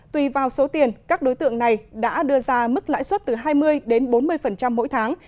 tùy vào số tiền các đối tượng này đã đưa ra mức lãi suất từ hai mươi đến bốn mươi mỗi tháng